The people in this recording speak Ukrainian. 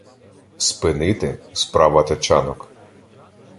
Спинити — справа тачанок.